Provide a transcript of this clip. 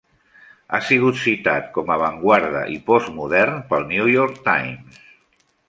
Ha sigut citat com avantguarda i postmodern pel "New York Times".